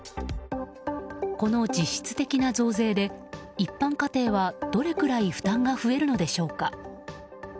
この実質的な増税で一般家庭はどれくらい負担が増えるのでしょうか。